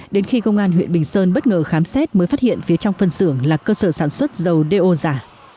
đến khi công an huyện bình sơn bất ngờ khám xét mới phát hiện phía trong phân xưởng là cơ sở sản xuất dầu đeo giả